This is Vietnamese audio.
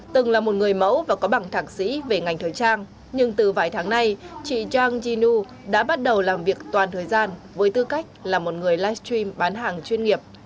từng là một người mẫu và có bảng thạc sĩ về ngành thời trang nhưng từ vài tháng nay chị chang jin yu đã bắt đầu làm việc toàn thời gian với tư cách là một người livestream bán hàng